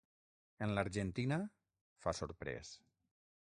En l'Argentina? –fa sorprès–.